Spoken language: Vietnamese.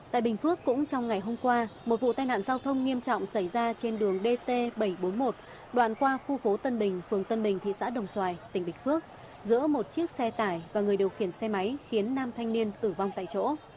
tại bình phước cũng trong ngày hôm qua một vụ tai nạn giao thông nghiêm trọng xảy ra trên đường dt bảy trăm bốn mươi một đoạn qua khu phố tân bình phường tân bình thị xã đồng xoài tỉnh bình phước giữa một chiếc xe tải và người điều khiển xe máy khiến nam thanh niên tử vong tại chỗ